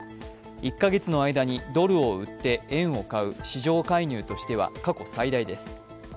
１か月の間にドルを売って円を買う市場介入としては過去最大です。